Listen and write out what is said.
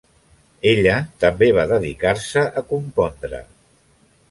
Ella també va dedicar-se a compondre.